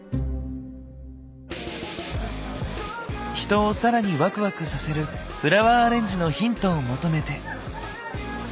人を更にワクワクさせるフラワーアレンジのヒントを求めて。